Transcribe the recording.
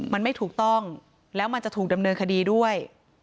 มันไม่ถูกต้องแล้วมันจะถูกดำเนินคดีด้วย